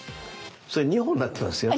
それ２本になってますよ。